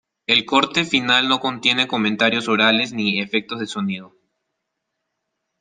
El corte final no contiene comentarios orales ni efectos de sonido.